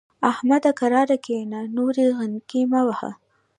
احمد؛ کرار کېنه ـ نورې غنګۍ مه وهه.